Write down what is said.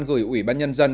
gửi ủy ban nhân dân